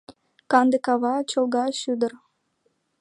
Канде кава, чолга шӱдыр -